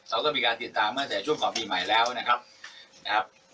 เราก็มีการติดตามตั้งแต่ช่วงของปีใหม่แล้วนะครับ